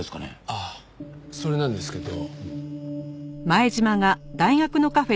ああそれなんですけど。